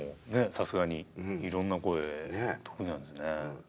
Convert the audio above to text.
さすがにうん色んな声得意なんですねねえ